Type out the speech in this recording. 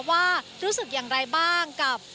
ว่ารู้สึกอย่างไรบ้างกับ